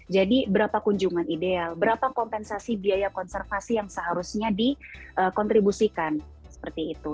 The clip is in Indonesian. jadi berapa kunjungan ideal berapa kompensasi biaya konservasi yang seharusnya dikontribusikan seperti itu